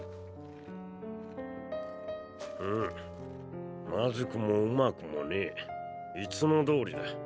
うんまずくもうまくもねぇ。いつもどおりだ。